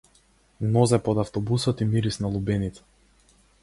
Нозе под автобусот и мирис на лубеница.